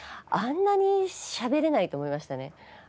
あんなに喋れないと思いましたね